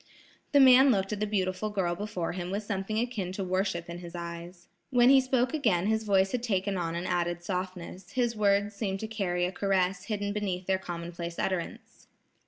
The man looked at the beautiful girl before him with something akin to worship in his eyes. When he spoke again his voice had taken on an added softness, his words seemed to carry a caress hidden beneath their commonplace utterance.